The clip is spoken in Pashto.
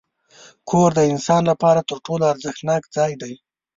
کور د انسان لپاره تر ټولو ارزښتناک ځای دی.